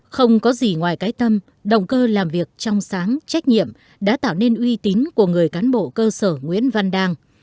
không có gì ngoài cái tâm động cơ làm việc trong sáng trách nhiệm đã tạo nên uy tín của người cán bộ cơ sở nguyễn văn đang